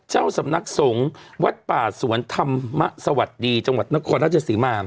เจ้าสำนักสงฆ์วัดป่าสวนธรรมะสวัสดีจังหวัดนครราชสีมา